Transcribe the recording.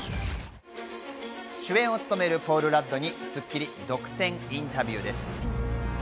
主演を務めるポール・ラッドに『スッキリ』独占インタビューです。